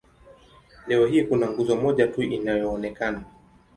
Leo hii kuna nguzo moja tu inayoonekana.